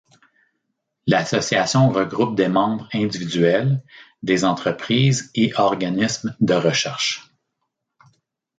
L’association regroupe des membres individuels, des entreprises et organismes de recherche.